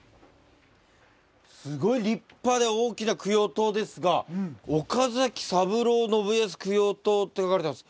すごい立派で大きな供養塔ですが「岡崎三郎信康供養塔」って書かれてます。